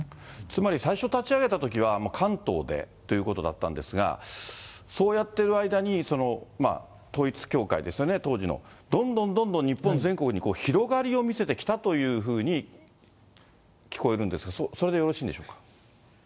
つまり最初立ち上げたときは、関東でということだったんですが、そうやってる間に、統一教会ですよね、当時の、どんどんどんどん日本全国に広がりを見せてきたというふうに聞こえるんですが、それでよろしいんでしょうか。